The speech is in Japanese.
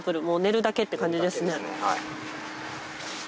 もう寝るだけって感じですね。